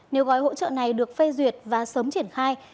nếu gói hỗ trợ này được phê duyệt và sớm triển khai